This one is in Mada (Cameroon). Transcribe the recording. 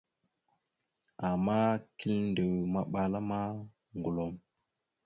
Ama kiləndew maɓala ma, ŋgəlom.